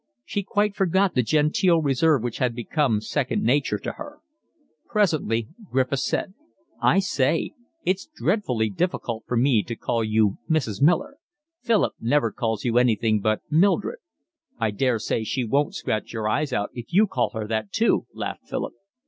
She quite forgot the genteel reserve which had become second nature to her. Presently Griffiths said: "I say, it's dreadfully difficult for me to call you Mrs. Miller. Philip never calls you anything but Mildred." "I daresay she won't scratch your eyes out if you call her that too," laughed Philip.